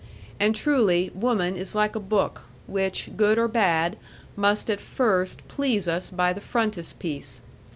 And truly, woman is like a book, which, good or bad, must at first please us by the frontispiece.